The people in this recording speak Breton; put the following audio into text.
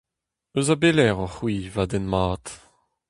Eus a-belec'h oc'h-c'hwi, va den mat ?